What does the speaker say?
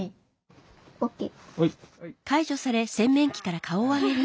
ＯＫ。